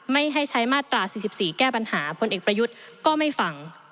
ไม่ให้ใช้มาตรา๔๔แก้ปัญหาผลเอกประยุทธ์ก็ไม่ฟัง